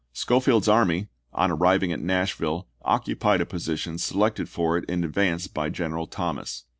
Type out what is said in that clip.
Schofield's army, on arriving at Nashville, occupied a position selected for it in advance by General Thomas.